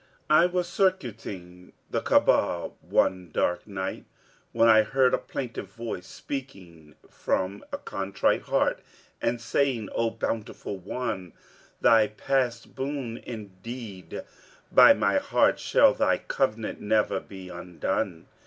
"I was circuiting the Ka'abah one dark night, when I heard a plaintive voice, speaking from a contrite heart and saying, 'O Bountiful One, Thy past boon! Indeed, by my heart shall Thy covenant never be undone.'